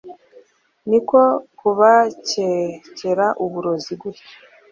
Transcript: ni ko kubakekera uburozi gutyo.